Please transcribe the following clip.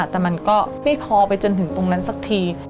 แต่มันก็ไม่พอไปจนถึงตรงนั้นสักที